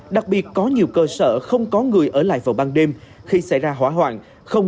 đặc biệt có nhiều cơ sở không có người ở lại vào ban đêm khi xảy ra hỏa hoạn